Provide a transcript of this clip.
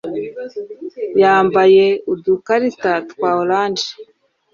bambaye udukarita twa oranje